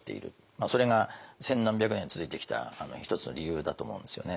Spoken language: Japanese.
それが千何百年続いてきた一つの理由だと思うんですよね。